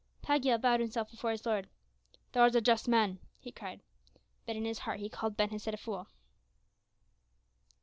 Pagiel bowed himself before his lord. "Thou art a just man," he cried. But in his heart he called Ben Hesed a fool.